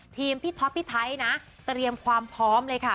พี่ท็อปพี่ไทยนะเตรียมความพร้อมเลยค่ะ